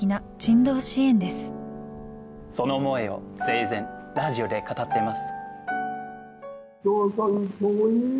その思いを生前ラジオで語っています。